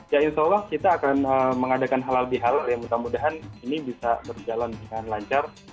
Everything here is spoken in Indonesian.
ya insya allah kita akan mengadakan halal di halal ya semoga ini bisa berjalan dengan lancar